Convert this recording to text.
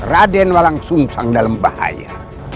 raden walang suncang dalam bahaya